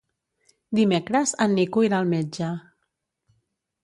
Dimecres en Nico irà al metge.